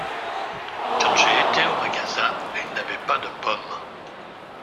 Quand j’ai été au magasin, ils n’avaient pas de pommes.